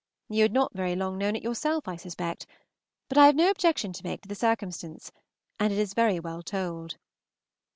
You had not very long known it yourself, I suspect; but I have no objection to make to the circumstance, and it is very well told.